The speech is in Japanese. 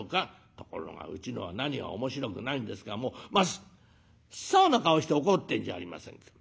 ところがうちのは何が面白くないんですかもう真っ青な顔して怒ってんじゃありませんか。